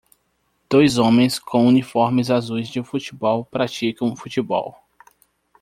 Dois homens com uniformes azuis de futebol praticam futebol.